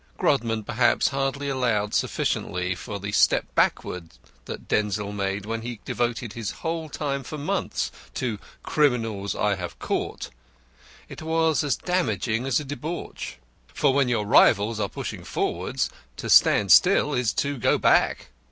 Grodman perhaps hardly allowed sufficiently for the step backwards that Denzil made when he devoted his whole time for months to Criminals I have Caught. It was as damaging as a debauch. For when your rivals are pushing forwards, to stand still is to go back.